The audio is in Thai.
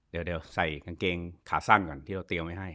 เดี๋ยวใส่กางเกงขาสั้นก่อนที่เราเตรียมไว้ให้